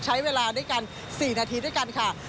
ใช้เวลาด้วยกัน๔นาทีด้วยกันค่ะ